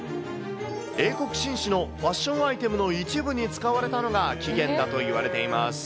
英国紳士のファッションアイテムの一部に使われたのが起源だといわれています。